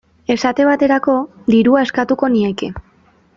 Esate baterako, dirua eskatuko nieke.